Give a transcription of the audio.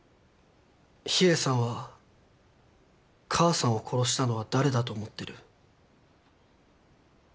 秘影さんは母さんを殺したのは誰だと思ってる？